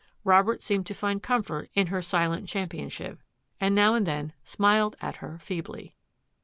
Robert seemed to find comfort in her silent championship, and now and then smiled at her feebly.